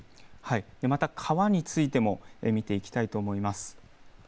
また川についても見ていきたいと思います。